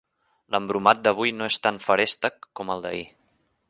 L'embromat d'avui no és tan feréstec com el d'ahir.